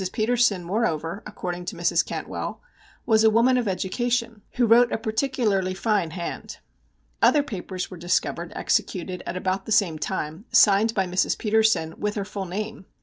Petersen, moreover, according to Mrs. Cantwell, was a woman of education, who wrote a particularly fine hand. Other papers were discovered executed at about the same time, signed by Mrs. Petersen with her full name.